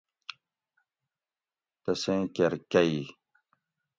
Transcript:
تسیں کیر کئ